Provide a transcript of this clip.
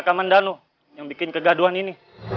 kaman danu yang bikin kegaduhan ini